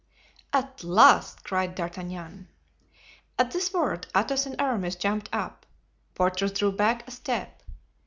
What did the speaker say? "At last!" cried D'Artagnan. At this word Athos and Aramis jumped up. Porthos drew back a step.